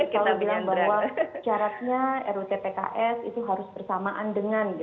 kita bilang bahwa syaratnya rutpks itu harus bersamaan dengan